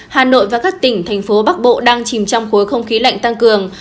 hà nội và các tỉnh thành phố bắc bộ đang chìm trong khối không khí lạnh tăng cường